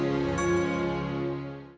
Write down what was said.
dancing is love tanya dengan